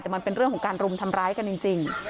แต่มันเป็นเรื่องของการรุมทำร้ายกันจริง